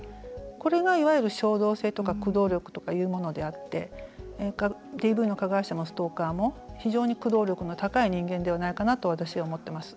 これが、いわゆる衝動性とか駆動力とかいうものであってＤＶの加害者もストーカーも非常に駆動力が高い人間ではないかなと私は思っています。